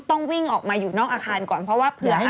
ต้องวิ่งออกมาอยู่นอกอาคารก่อนเพราะว่าเผื่อให้